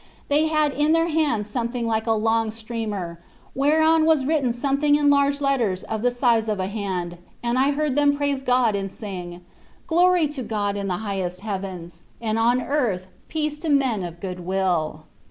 They had in their hands something like a long streamer, whereon was written something in large letters of the size of a hand, and I heard them praise God and sing :" Glory to God in the highest heavens, ur XorD 3C9U9 Gbnst. 93 and on earth peace to men of good will."